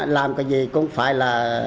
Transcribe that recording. làm cái gì cũng phải là